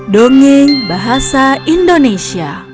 dongeng bahasa indonesia